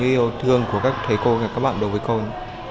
từ tình yêu thương của các thầy cô các bạn đối với con